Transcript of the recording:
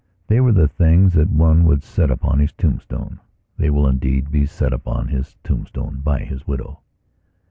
They were the things that one would set upon his tombstone. They will, indeed, be set upon his tombstone by his widow.